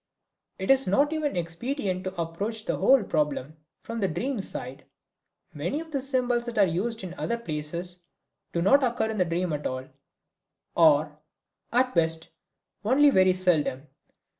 It is not even expedient to approach the whole problem from the dream side. Many of the symbols that are used in other places do not occur in the dream at all, or at best only very seldom.